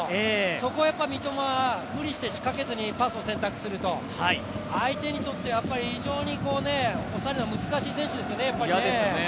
そこを三笘は無理して仕掛けずにパスを選択する、相手にとっては非常に抑えるのは難しい選手ですよね。